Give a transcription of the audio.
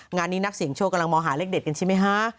งานนี้นักเสียงโชคกำลังมองหาเลขเด็ดกันใช่ไหมฮะ